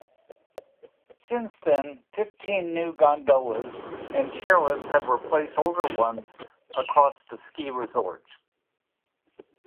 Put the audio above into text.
Since then, fifteen new gondolas and chairlifts have replaced older ones across the ski-resort.